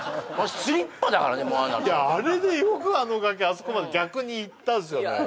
スリッパだからねもうああなるとあれでよくあの崖あそこまで逆に行ったですよね